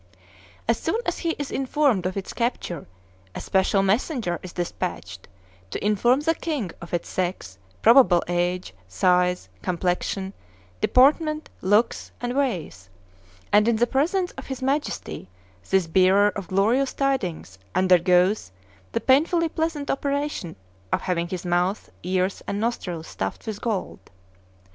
As soon as he is informed of its capture, a special messenger is despatched to inform the king of its sex, probable age, size, complexion, deportment, looks, and ways; and in the presence of his Majesty this bearer of glorious tidings undergoes the painfully pleasant operation of having his mouth, ears, and nostrils stuffed with gold.